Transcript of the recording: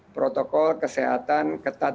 protokol kesehatan ketat